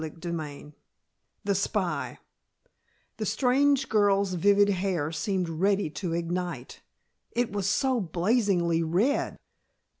CHAPTER XIV THE SPY The strange girl's vivid hair seemed ready to ignite, it was so blazingly red!